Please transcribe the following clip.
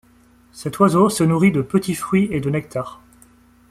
Cet oiseau se nourrit de petits fruits et de nectar.